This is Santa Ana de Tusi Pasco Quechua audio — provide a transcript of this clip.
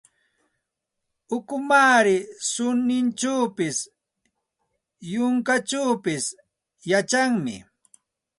Ukumaari suninchawpis, yunkachawpis yachanmi.